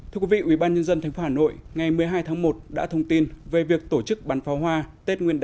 thưa quý vị ubnd tp hà nội ngày một mươi hai tháng một đã thông tin về việc tổ chức bắn pháo hoa tết nguyên đán